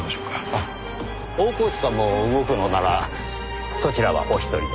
あっ大河内さんも動くのならそちらはお一人で。